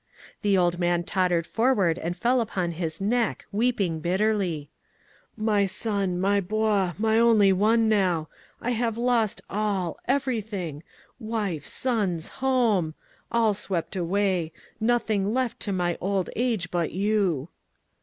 The old man tottered forward and fell upon his neck, weeping bitterly. "My son, my boa, my only one now; I have lost all everything wife, sons, home; all swept away, nothing left to my old age but you."